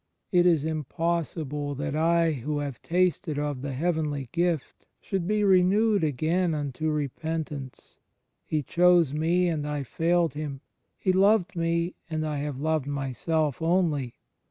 It is impossible that I who have tasted of the heavenly gift should be renewed again unto repentance. He chose me, and I failed Him. He loved me, and I have loved myself only.